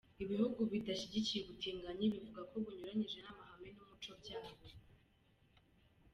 Ibihugu bidashyigikiye ubutinganyi bivuga ko bunyuranyije n’ amahame n’ umuco byabo.